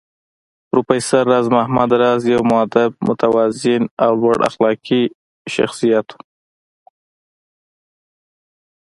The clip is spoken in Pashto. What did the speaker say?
پروفېسر راز محمد راز يو مودب، متوازن او لوړ اخلاقي شخصيت و